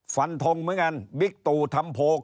ฟันทงเหมือนกันบิ๊กตู่ทำโพลก